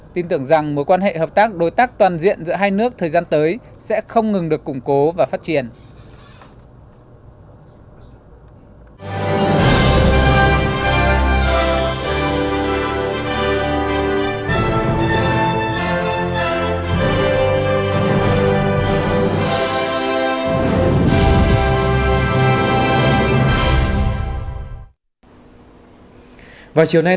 tin tưởng rằng mối quan hệ hợp tác đối tác toàn diện giữa hai nước thời gian tới sẽ không ngừng được củng cố và phát triển